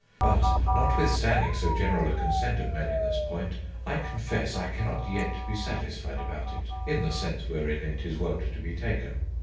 But notwithstanding so general a consent of men in this point, I confess, I cannot yet be satisfied about it in the sense wherein it is wont to be taken.